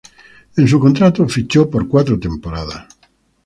En su contrato fichó por cuatro temporadas.